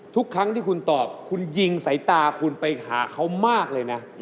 ทุกครั้งที่คุณตอบคุณยิงสายตาคุณไปหาเขามากเลยนะ